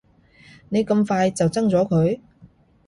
你咁快就憎咗佢